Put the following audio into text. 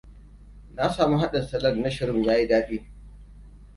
Na samu haɗin salak na Shrimp ya yi daɗi.